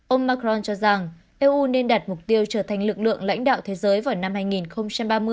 ông macron cho rằng eu nên đặt mục tiêu trở thành lực lượng lãnh đạo thế giới vào năm hai nghìn ba mươi